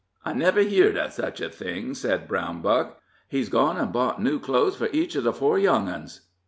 "I never heard of such a thing," said Brown Buck; "he's gone an' bought new clothes for each of the four young 'uns."